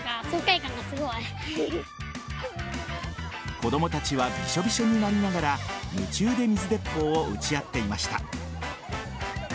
子供たちはびしょびしょになりながら夢中で水鉄砲を撃ち合っていました。